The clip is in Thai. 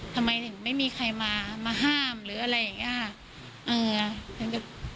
ทำไมถึงไม่มีใครมามาห้ามหรืออะไรอย่างนี้ค่ะ